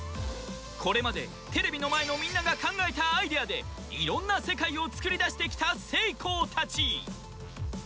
これまで、テレビの前のみんなが考えたアイデアでいろんな世界を作り出してきたセイコーたち。